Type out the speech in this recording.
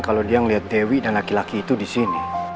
kalau dia ngeliat dewi dan laki laki itu disini